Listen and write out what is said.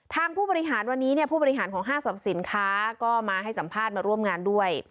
ผู้บริหารวันนี้เนี่ยผู้บริหารของห้างสรรพสินค้าก็มาให้สัมภาษณ์มาร่วมงานด้วย